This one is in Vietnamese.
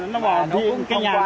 nó đùng đùng vào làm dân có biết đâu